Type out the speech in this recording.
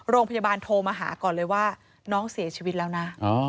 โรงพยาบาลโทรมาหาก่อนเลยว่าน้องเสียชีวิตแล้วนะ